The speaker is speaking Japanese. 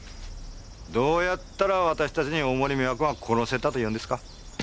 どうやったら私たちに大森美和子が殺せたと言うんですか？